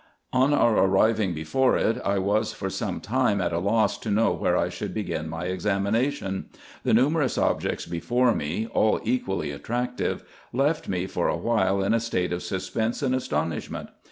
On our arriving before it, I was for some time at a loss to know where I should begin my examination. The nu merous objects before me, all equally attractive, left me for a while in a state of suspense and astonishment.